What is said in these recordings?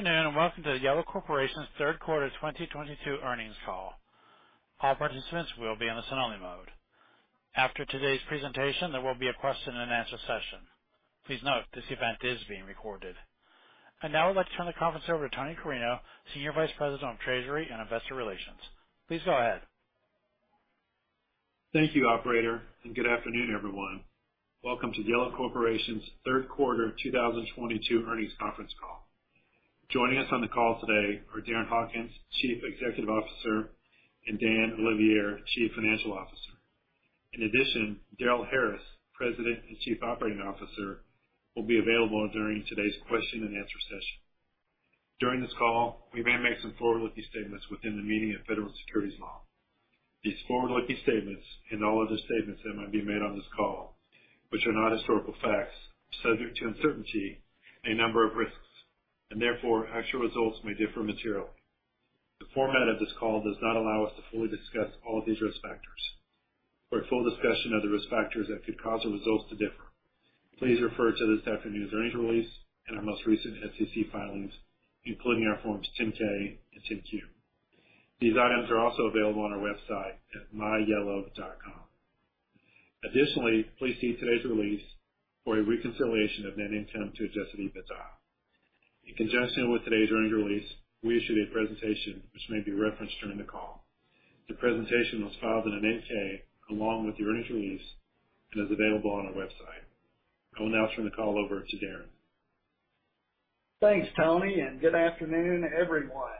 Good afternoon, and welcome to Yellow Corporation's third quarter 2022 earnings call. All participants will be on a listen only mode. After today's presentation, there will be a question and answer session. Please note, this event is being recorded. Now I'd like to turn the conference over to Tony Carreño, Senior Vice President of Treasury and Investor Relations. Please go ahead. Thank you, operator, and good afternoon, everyone. Welcome to Yellow Corporation's third quarter 2022 earnings conference call. Joining us on the call today are Darren Hawkins, Chief Executive Officer, and Dan Olivier, Chief Financial Officer. In addition, Darrel Harris, President and Chief Operating Officer, will be available during today's question and answer session. During this call, we may make some forward-looking statements within the meaning of federal securities law. These forward-looking statements, and all other statements that might be made on this call, which are not historical facts, are subject to uncertainty and a number of risks, and therefore actual results may differ materially. The format of this call does not allow us to fully discuss all of these risk factors. For a full discussion of the risk factors that could cause the results to differ, please refer to this afternoon's earnings release and our most recent SEC filings, including our Form 10-K and Form 10-Q. These items are also available on our website at myyellow.com. Additionally, please see today's release for a reconciliation of net income to Adjusted EBITDA. In conjunction with today's earnings release, we issued a presentation which may be referenced during the call. The presentation was filed in a Form 8-K along with the earnings release and is available on our website. I will now turn the call over to Darren. Thanks, Tony, and good afternoon, everyone.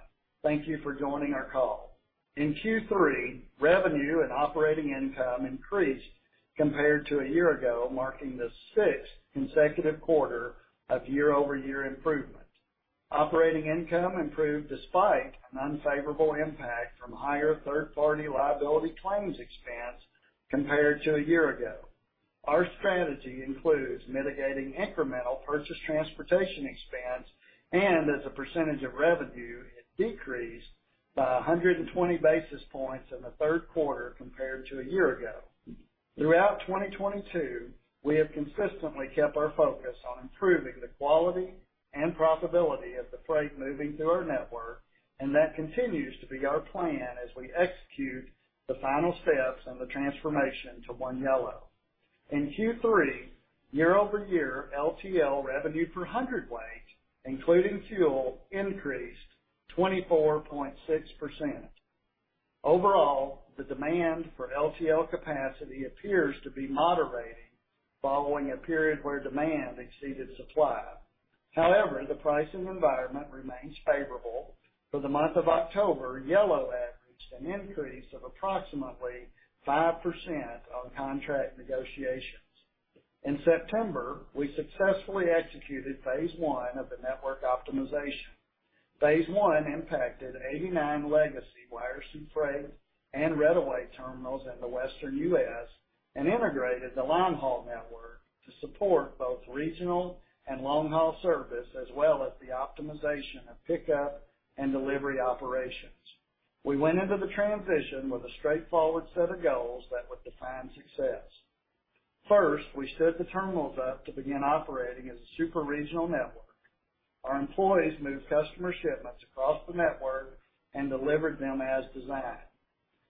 Thank you for joining our call. In Q3, revenue and operating income increased compared to a year ago, marking the sixth consecutive quarter of year-over-year improvement. Operating income improved despite an unfavorable impact from higher third-party liability claims expense compared to a year ago. Our strategy includes mitigating incremental purchase transportation expense, and as a percentage of revenue, it decreased by 120 basis points in the third quarter compared to a year ago. Throughout 2022, we have consistently kept our focus on improving the quality and profitability of the freight moving through our network, and that continues to be our plan as we execute the final steps in the transformation to One Yellow. In Q3, year-over-year LTL revenue per hundredweight, including fuel, increased 24.6%. Overall, the demand for LTL capacity appears to be moderating following a period where demand exceeded supply. However, the pricing environment remains favorable. For the month of October, Yellow averaged an increase of approximately 5% on contract negotiations. In September, we successfully executed phase I of the network optimization. Phase I impacted 89 legacy YRC Freight and Reddaway terminals in the Western U.S. and integrated the long-haul network to support both regional and long-haul service, as well as the optimization of pickup and delivery operations. We went into the transition with a straightforward set of goals that would define success. First, we set the terminals up to begin operating as a super-regional network. Our employees moved customer shipments across the network and delivered them as designed.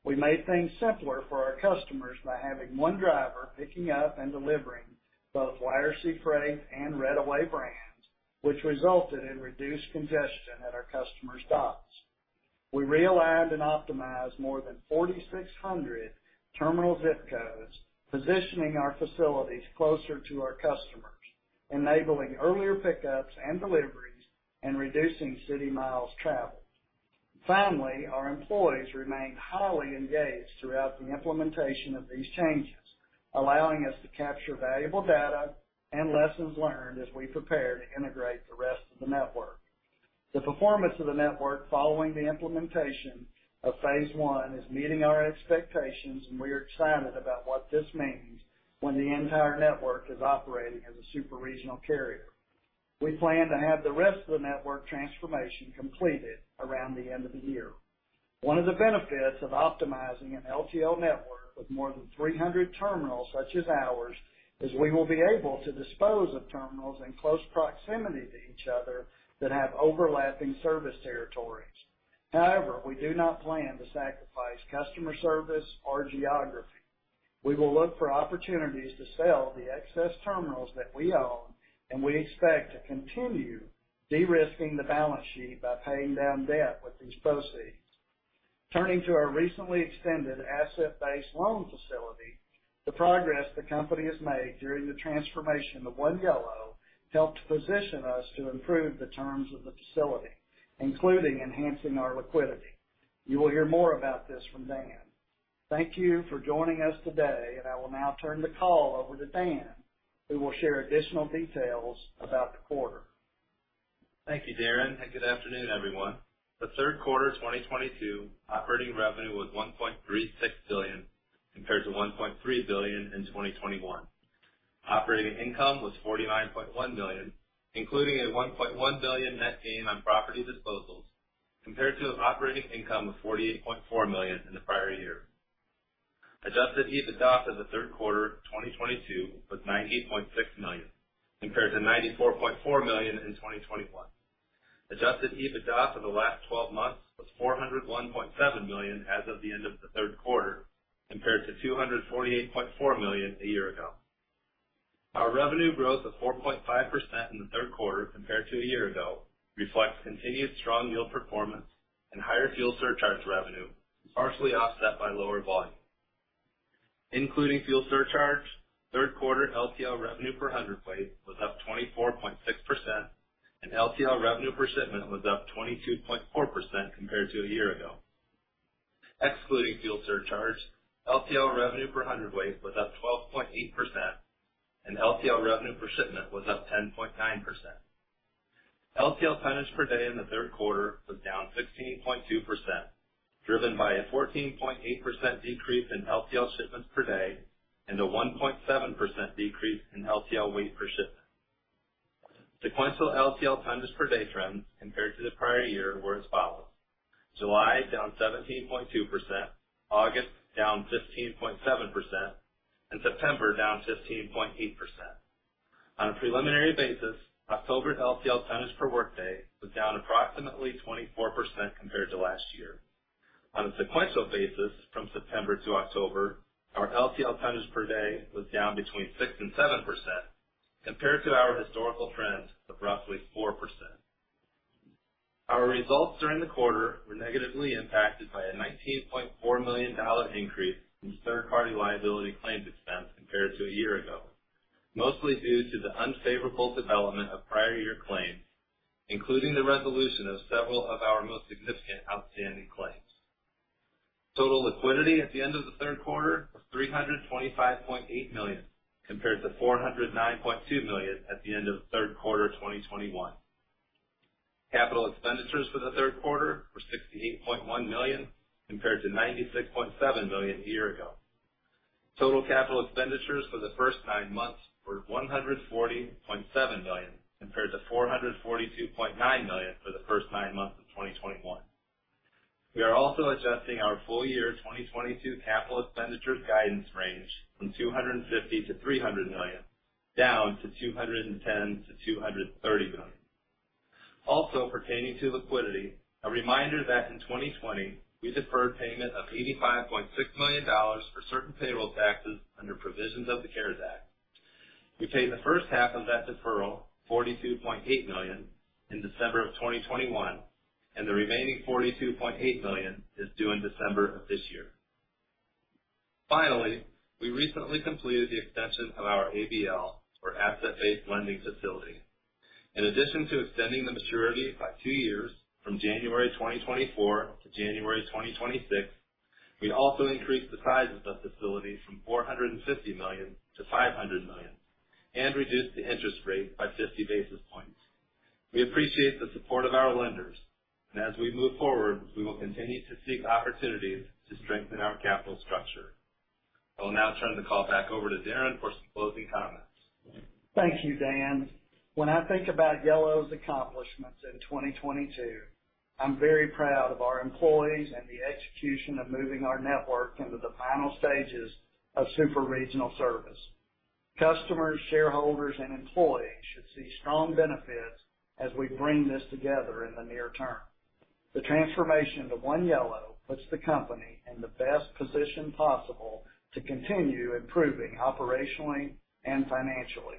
We made things simpler for our customers by having one driver picking up and delivering both YRC Freight and Reddaway brands, which resulted in reduced congestion at our customer stops. We realigned and optimized more than 4,600 terminal zip codes, positioning our facilities closer to our customers, enabling earlier pickups and deliveries and reducing city miles traveled. Finally, our employees remained highly engaged throughout the implementation of these changes, allowing us to capture valuable data and lessons learned as we prepare to integrate the rest of the network. The performance of the network following the implementation of phase I is meeting our expectations, and we are excited about what this means when the entire network is operating as a super-regional carrier. We plan to have the rest of the network transformation completed around the end of the year. One of the benefits of optimizing an LTL network with more than 300 terminals such as ours is we will be able to dispose of terminals in close proximity to each other that have overlapping service territories. However, we do not plan to sacrifice customer service or geography. We will look for opportunities to sell the excess terminals that we own, and we expect to continue de-risking the balance sheet by paying down debt with these proceeds. Turning to our recently extended asset-based loan facility, the progress the company has made during the transformation to One Yellow helped position us to improve the terms of the facility, including enhancing our liquidity. You will hear more about this from Dan. Thank you for joining us today, and I will now turn the call over to Dan, who will share additional details about the quarter. Thank you, Darren, and good afternoon, everyone. The third quarter of 2022 operating revenue was $1.36 billion, compared to $1.3 billion in 2021. Operating income was $49.1 million, including a $1.1 billion net gain on property disposals compared to an operating income of $48.4 million in the prior year. Adjusted EBITDA for the third quarter 2022 was $98.6 million, compared to $94.4 million in 2021. Adjusted EBITDA for the last twelve months was $401.7 million as of the end of the third quarter, compared to $248.4 million a year ago. Our revenue growth of 4.5% in the third quarter compared to a year ago reflects continued strong yield performance and higher fuel surcharges revenue, partially offset by lower volume. Including fuel surcharge, third quarter LTL revenue per hundredweight was up 24.6%, and LTL revenue per shipment was up 22.4% compared to a year ago. Excluding fuel surcharge, LTL revenue per hundredweight was up 12.8%, and LTL revenue per shipment was up 10.9%. LTL tonnage per day in the third quarter was down 16.2%, driven by a 14.8% decrease in LTL shipments per day and a 1.7% decrease in LTL weight per shipment. Sequential LTL tonnage per day trends compared to the prior year were as follows. July, down 17.2%; August, down 15.7%; and September, down 15.8%. On a preliminary basis, October LTL tonnage per workday was down approximately 24% compared to last year. On a sequential basis, from September to October, our LTL tonnage per day was down between 6% and 7% compared to our historical trend of roughly 4%. Our results during the quarter were negatively impacted by a $19.4 million increase in third-party liability claims expense compared to a year ago, mostly due to the unfavorable development of prior year claims, including the resolution of several of our most significant outstanding claims. Total liquidity at the end of the third quarter was $325.8 million, compared to $409.2 million at the end of third quarter 2021. Capital expenditures for the third quarter were $68.1 million, compared to $96.7 million a year ago. Total capital expenditures for the first nine months were $140.7 million, compared to $442.9 million for the first nine months of 2021. We are also adjusting our full year 2022 capital expenditures guidance range from $250 million-$300 million, down to $210 million-$230 million. Also pertaining to liquidity, a reminder that in 2020, we deferred payment of $85.6 million for certain payroll taxes under provisions of the CARES Act. We paid the first half of that deferral, $42.8 million, in December of 2021, and the remaining $42.8 million is due in December of this year. Finally, we recently completed the extension of our ABL, or asset-based lending facility. In addition to extending the maturity by two years, from January 2024-January 2026, we also increased the size of the facility from $450 million-$500 million and reduced the interest rate by 50 basis points. We appreciate the support of our lenders. As we move forward, we will continue to seek opportunities to strengthen our capital structure. I will now turn the call back over to Darren for some closing comments. Thank you, Dan. When I think about Yellow's accomplishments in 2022, I'm very proud of our employees and the execution of moving our network into the final stages of super-regional service. Customers, shareholders, and employees should see strong benefits as we bring this together in the near term. The transformation to One Yellow puts the company in the best position possible to continue improving operationally and financially.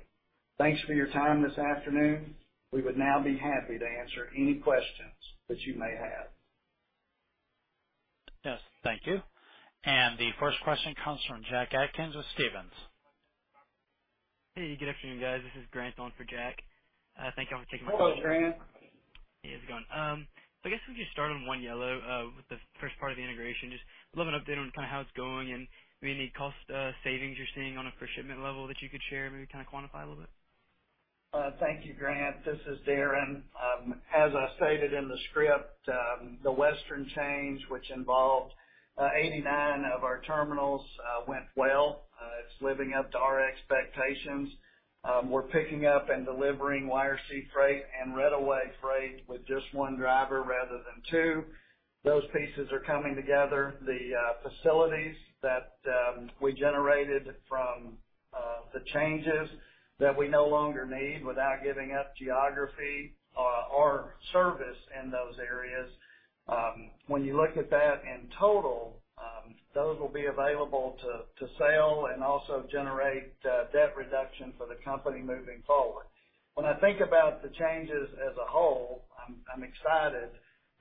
Thanks for your time this afternoon. We would now be happy to answer any questions that you may have. Yes, thank you. The first question comes from Jack Atkins of Stephens. Hey, good afternoon, guys. This is Grant on for Jack. Thank you for taking my call. Hello, Grant. How's it going? I guess we could start on One Yellow, with the first part of the integration. Just a little update on kinda how it's going and maybe any cost savings you're seeing on a per shipment level that you could share, maybe kinda quantify a little bit. Thank you, Grant. This is Darren. As I stated in the script, the Western change, which involved 89 of our terminals, went well. It's living up to our expectations. We're picking up and delivering YRC Freight and Reddaway freight with just one driver rather than two. Those pieces are coming together. The facilities that we generated from the changes that we no longer need without giving up geography or service in those areas, when you look at that in total, those will be available to sell and also generate debt reduction for the company moving forward. When I think about the changes as a whole, I'm excited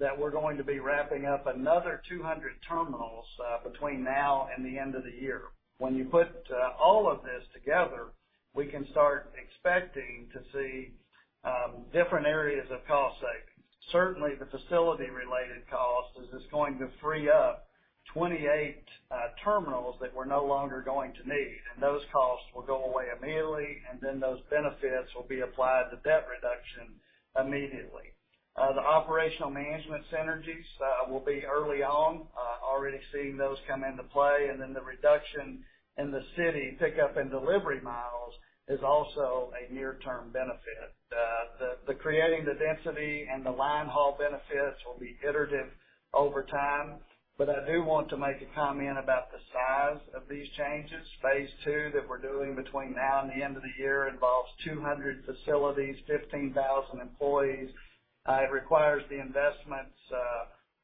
that we're going to be wrapping up another 200 terminals between now and the end of the year. When you put all of this together, we can start expecting to see different areas of cost savings. Certainly, the facility-related cost, as it's going to free up 28 terminals that we're no longer going to need, and those costs will go away immediately, and then those benefits will be applied to debt reduction immediately. The operational management synergies will be early on. Already seeing those come into play. The reduction in the city pickup and delivery miles is also a near-term benefit. The creating the density and the line haul benefits will be iterative over time. I do want to make a comment about the size of these changes. Phase II that we're doing between now and the end of the year involves 200 facilities, 15,000 employees. It requires the investments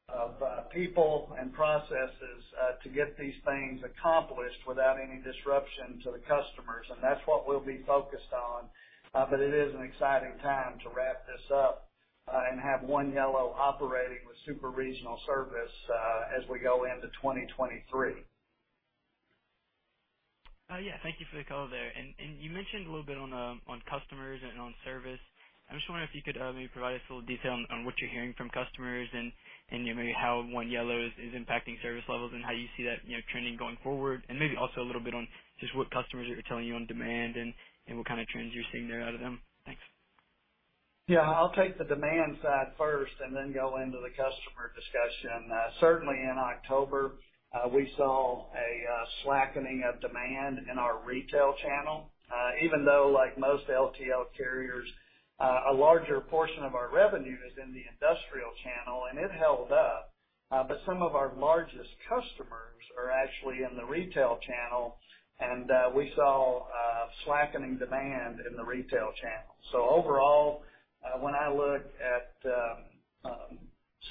of people and processes to get these things accomplished without any disruption to the customers, and that's what we'll be focused on. It is an exciting time to wrap this up, and have One Yellow operating with super-regional service, as we go into 2023. Yeah. Thank you for the color there. You mentioned a little bit on customers and on service. I'm just wondering if you could maybe provide us a little detail on what you're hearing from customers and maybe how One Yellow is impacting service levels and how you see that, you know, trending going forward. Maybe also a little bit on just what customers are telling you on demand and what kind of trends you're seeing there out of them. Thanks. Yeah. I'll take the demand side first and then go into the customer discussion. Certainly in October, we saw a slackening of demand in our retail channel. Even though like most LTL carriers, a larger portion of our revenue is in the industrial channel, and it held up. Some of our largest customers are actually in the retail channel, and we saw a slackening demand in the retail channel. Overall, when I look at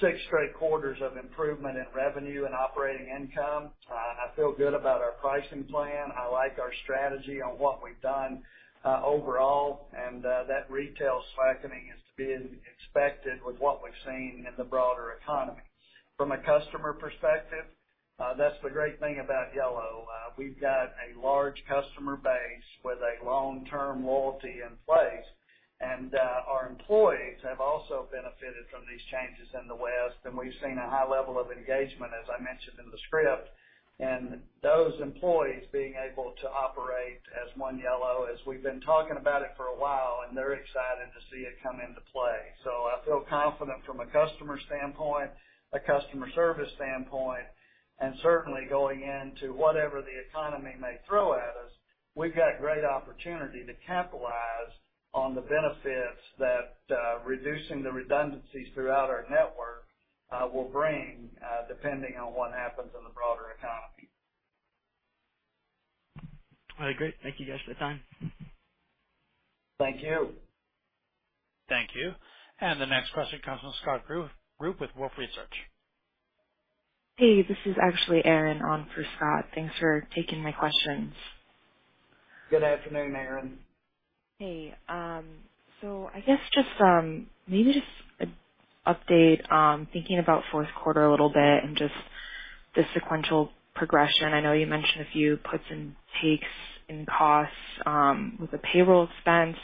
six straight quarters of improvement in revenue and operating income, I feel good about our pricing plan. I like our strategy on what we've done overall, and that retail slackening is to be expected with what we've seen in the broader economy. From a customer perspective, that's the great thing about Yellow. We've got a large customer base with a long-term loyalty in place, and, our employees have also benefited from these changes in the West, and we've seen a high level of engagement, as I mentioned in the script. Those employees being able to operate as One Yellow, as we've been talking about it for a while, and they're excited to see it come into play. I feel confident from a customer standpoint, a customer service standpoint, and certainly going into whatever the economy may throw at us, we've got great opportunity to capitalize on the benefits that, reducing the redundancies throughout our network, will bring, depending on what happens in the broader economy. All right, great. Thank you guys for the time. Thank you. Thank you. The next question comes from Scott Group with Wolfe Research. Hey, this is actually Erin on for Scott. Thanks for taking my questions. Good afternoon, Erin. Hey. I guess just maybe just an update thinking about fourth quarter a little bit and just the sequential progression. I know you mentioned a few puts and takes in costs with the payroll expense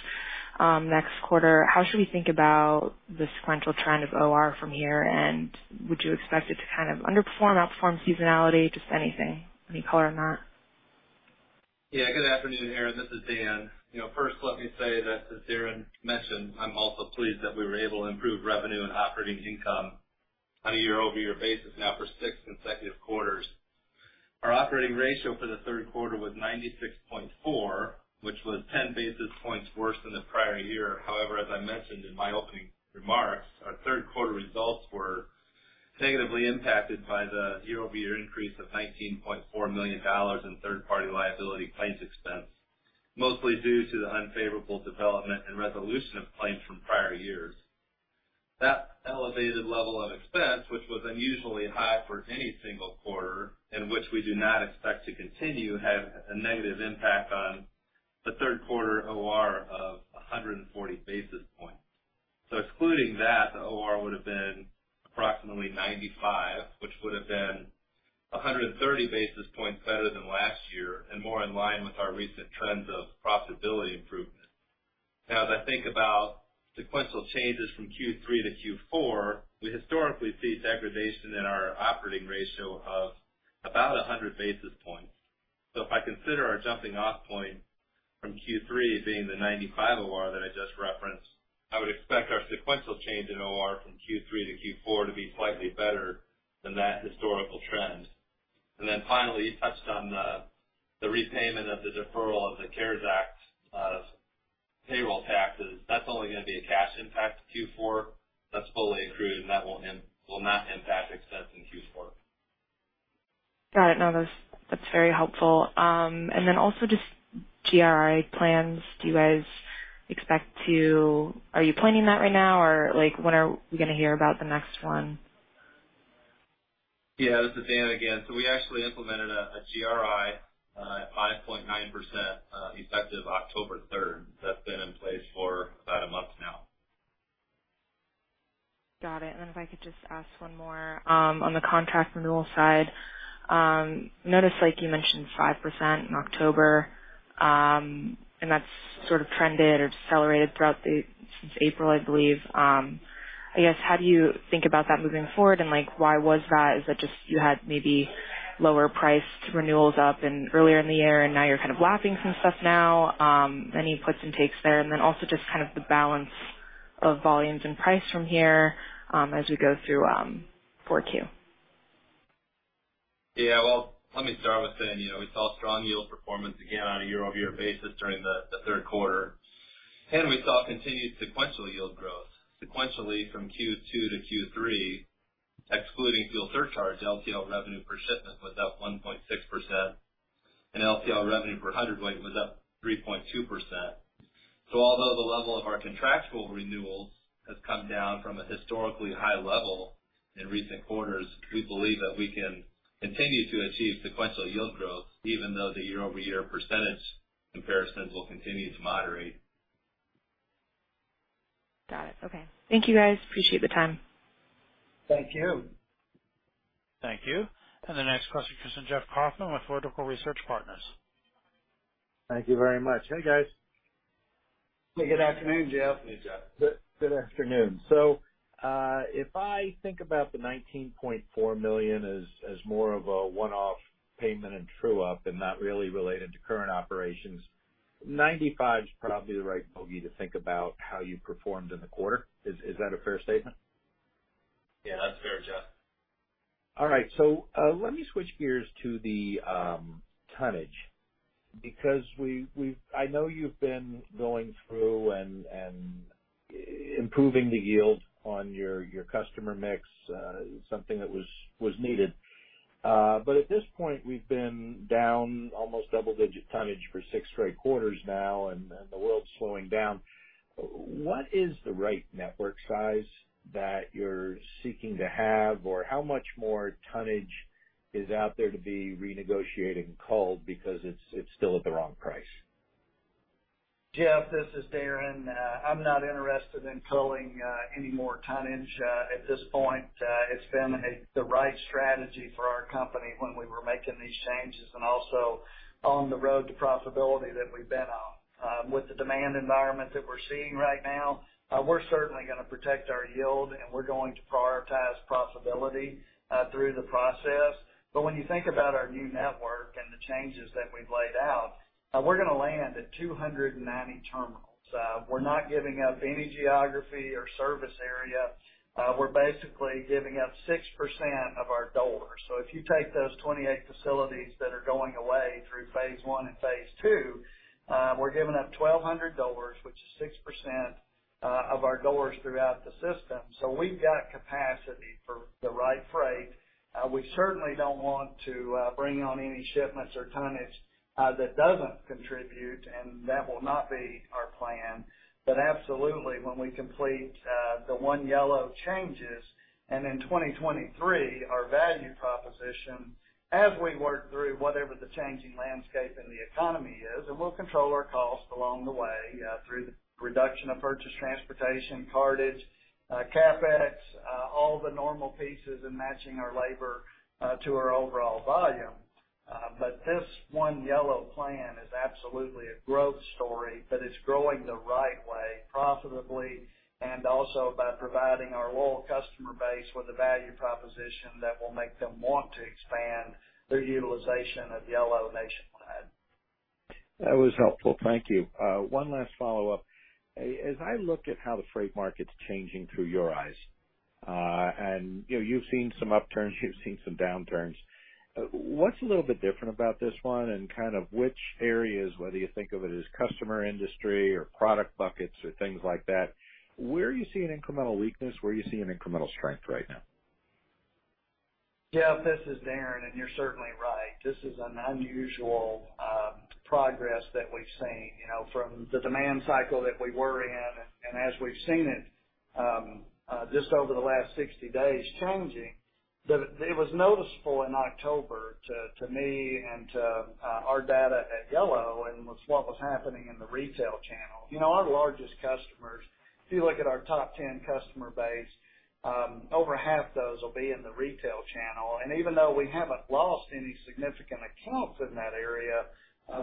next quarter. How should we think about the sequential trend of OR from here? And would you expect it to kind of underperform, outperform seasonality? Just anything. Any color on that? Yeah. Good afternoon, Erin. This is Dan. You know, first let me say that as Erin mentioned, I'm also pleased that we were able to improve revenue and operating income on a year-over-year basis now for six consecutive quarters. Our operating ratio for the third quarter was $96.4 million, which was 10 basis points worse than the prior year. However, as I mentioned in my opening remarks, our third quarter results were negatively impacted by the year-over-year increase of $19.4 million in third party liability claims expense, mostly due to the unfavorable development and resolution of claims from prior years. That elevated level of expense, which was unusually high for any single quarter and which we do not expect to continue, had a negative impact on the third quarter OR of 140 basis points. Excluding that, the OR would have been approximately $95 million, which would have been 130 basis points better than last year and more in line with our recent trends of profitability improvement. Now, as I think about sequential changes from Q3-Q4, we historically see degradation in our operating ratio of about 100 basis points. If I consider our jumping off point from Q3 being the $95 million OR that I just referenced, I would expect our sequential change in OR from Q3-Q4 to be slightly better than that historical trend. Finally, you touched on the repayment of the deferral of the CARES Act payroll taxes. That's only gonna be a cash impact to Q4 that's fully accrued, and that will not impact expense in Q4. Got it. No, that's very helpful. Also just GRI plans. Are you planning that right now? Like, when are we gonna hear about the next one? Yeah. This is Dan again. We actually implemented a GRI at 5.9% effective October third. That's been in place for about a month now. Got it. If I could just ask one more on the contract renewal side. Noticed like you mentioned 5% in October, and that's sort of trended or accelerated throughout since April, I believe. I guess, how do you think about that moving forward? Like, why was that? Is that just you had maybe lower priced renewals up in earlier in the year, and now you're kind of lapping some stuff now? Any puts and takes there? Then also just kind of the balance of volumes and price from here, as we go through 4Q. Yeah. Well, let me start with saying, you know, we saw strong yield performance again on a year-over-year basis during the third quarter. We saw continued sequential yield growth. Sequentially from Q2-Q3, excluding fuel surcharge, LTL revenue per shipment was up 1.6% and LTL revenue per hundredweight was up 3.2%. Although the level of our contractual renewals has come down from a historically high level in recent quarters, we believe that we can continue to achieve sequential yield growth even though the year-over-year percentage comparisons will continue to moderate. Got it. Okay. Thank you, guys. Appreciate the time. Thank you. Thank you. The next question comes from Jeff Kauffman with Vertical Research Partners. Thank you very much. Hey, guys. Hey, good afternoon, Jeff. Afternoon, Jeff Kauffman. Good afternoon. If I think about the $19.4 million as more of a one-off payment and true up and not really related to current operations, $95 million is probably the right bogey to think about how you performed in the quarter. Is that a fair statement? Yeah, that's fair, Jeff. All right. Let me switch gears to the tonnage because I know you've been going through and improving the yield on your customer mix, something that was needed. At this point, we've been down almost double-digit tonnage for six straight quarters now, and the world's slowing down. What is the right network size that you're seeking to have? How much more tonnage is out there to be renegotiated and culled because it's still at the wrong price? Jeff, this is Darren. I'm not interested in culling any more tonnage at this point. It's been the right strategy for our company when we were making these changes and also on the road to profitability that we've been on. With the demand environment that we're seeing right now, we're certainly gonna protect our yield, and we're going to prioritize profitability through the process. When you think about our new network and the changes that we've laid out, we're gonna land at 290 terminals. We're not giving up any geography or service area. We're basically giving up 6% of our doors. If you take those 28 facilities that are going away through phase I and phase II, we're giving up 1,200 doors, which is 6% of our doors throughout the system. We've got capacity for the right freight. We certainly don't want to bring on any shipments or tonnage that doesn't contribute, and that will not be our plan. Absolutely, when we complete the One Yellow changes, and in 2023, our value proposition as we work through whatever the changing landscape in the economy is, and we'll control our cost along the way through the reduction of purchase transportation, cartage, CapEx, all the normal pieces in matching our labor to our overall volume. this One Yellow plan is absolutely a growth story, but it's growing the right way, profitably, and also by providing our loyal customer base with a value proposition that will make them want to expand their utilization of Yellow nationwide. That was helpful. Thank you. One last follow-up. As I look at how the freight market's changing through your eyes, and, you know, you've seen some upturns, you've seen some downturns, what's a little bit different about this one? And kind of which areas, whether you think of it as customer industry or product buckets or things like that, where are you seeing incremental weakness? Where are you seeing incremental strength right now? Jeff, this is Darren, and you're certainly right. This is an unusual progress that we've seen, you know, from the demand cycle that we were in and as we've seen it just over the last 60 days changing. It was noticeable in October to me and to our data at Yellow and was what was happening in the retail channel. You know, our largest customers, if you look at our top 10 customer base, over half those will be in the retail channel. Even though we haven't lost any significant accounts in that area,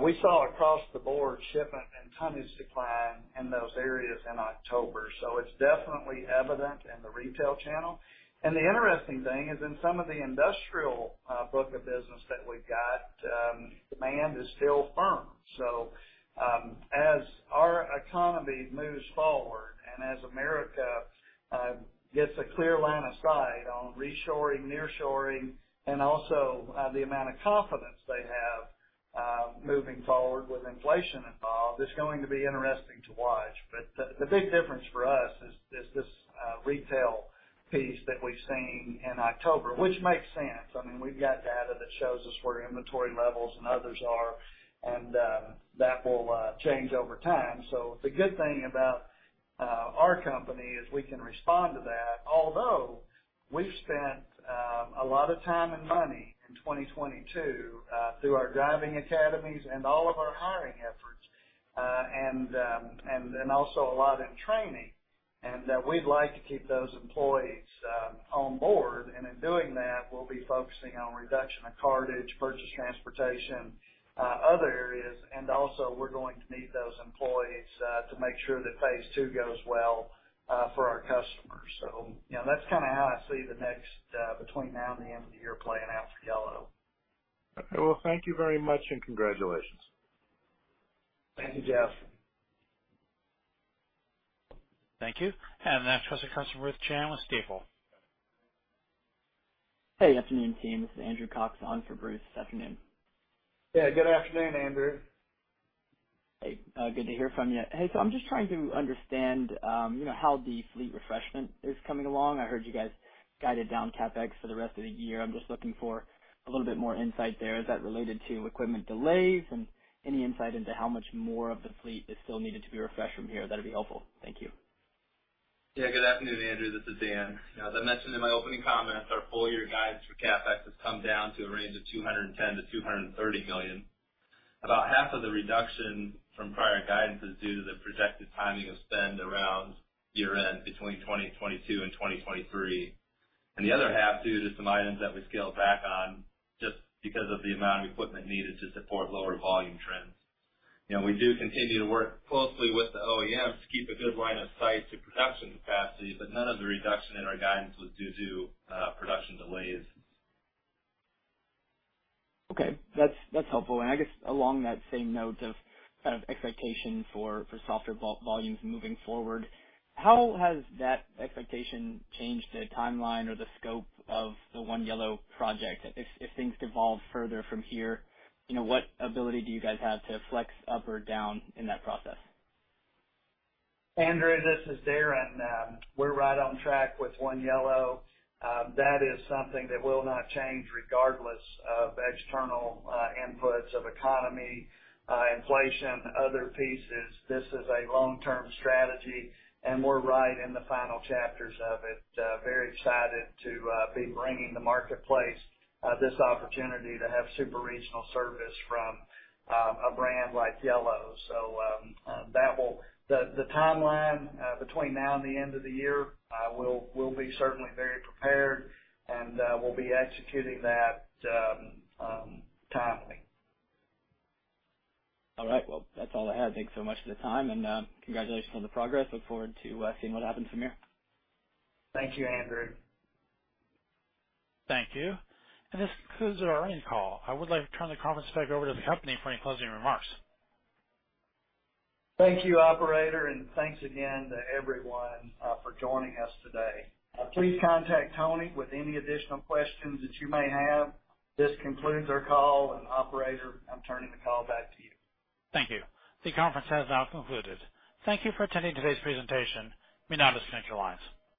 we saw across the board shipment and tonnage decline in those areas in October. It's definitely evident in the retail channel. The interesting thing is in some of the industrial book of business that we've got, demand is still firm. As our economy moves forward and as America gets a clear line of sight on reshoring, nearshoring, and also the amount of confidence they have moving forward with inflation involved, it's going to be interesting to watch. The big difference for us is this retail piece that we've seen in October, which makes sense. I mean, we've got data that shows us where inventory levels and others are, and that will change over time. The good thing about our company is we can respond to that. Although we've spent a lot of time and money in 2022 through our driving academies and all of our hiring efforts, and then also a lot in training, and we'd like to keep those employees on board. In doing that, we'll be focusing on reduction of cartage, purchase transportation, other areas. Also, we're going to need those employees to make sure that phase II goes well for our customers. You know, that's kinda how I see the next between now and the end of the year playing out for Yellow. Well, thank you very much, and congratulations. Thank you, Jeff. Thank you. Next, we have a question from Bruce Chan with Stifel. Hey, good afternoon, team. This is Andrew Cox on for Bruce. Afternoon. Yeah, good afternoon, Andrew. Hey, good to hear from you. Hey, so I'm just trying to understand, you know, how the fleet refreshment is coming along. I heard you guys guided down CapEx for the rest of the year. I'm just looking for a little bit more insight there. Is that related to equipment delays? Any insight into how much more of the fleet is still needed to be refreshed from here, that'd be helpful. Thank you. Yeah, good afternoon, Andrew. This is Dan. As I mentioned in my opening comments, our full year guidance for CapEx has come down to a range of $210 million-$230 million. About half of the reduction from prior guidance is due to the projected timing of spend around year-end, between 2022 and 2023. The other half due to some items that we scaled back on just because of the amount of equipment needed to support lower volume trends. You know, we do continue to work closely with the OEMs to keep a good line of sight to production capacity, but none of the reduction in our guidance was due to production delays. Okay. That's helpful. I guess along that same note of kind of expectation for softer volumes moving forward, how has that expectation changed the timeline or the scope of the One Yellow project? If things devolve further from here, you know, what ability do you guys have to flex up or down in that process? Andrew, this is Darren. We're right on track with One Yellow. That is something that will not change regardless of external inputs of economy, inflation, other pieces. This is a long-term strategy, and we're right in the final chapters of it. Very excited to be bringing to the marketplace this opportunity to have super regional service from a brand like Yellow. The timeline between now and the end of the year, we'll be certainly very prepared and we'll be executing that timely. All right. Well, that's all I had. Thanks so much for the time, and congratulations on the progress. Look forward to seeing what happens from here. Thank you, Andrew. Thank you. This concludes our earnings call. I would like to turn the conference back over to the company for any closing remarks. Thank you, operator, and thanks again to everyone, for joining us today. Please contact Tony with any additional questions that you may have. This concludes our call, and operator, I'm turning the call back to you. Thank you. The conference has now concluded. Thank you for attending today's presentation. You may now disconnect your lines.